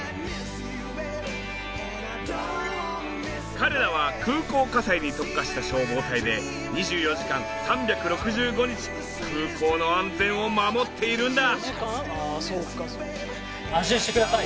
彼らは空港火災に特化した消防隊で２４時間３６５日空港の安全を守っているんだ！